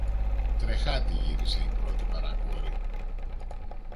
Τρεχάτη γύρισε η πρώτη παρακόρη.